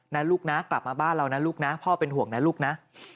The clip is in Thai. นะลูกนะกลับมาบ้านเรานะลูกนะพ่อเป็นห่วงนะลูกนะ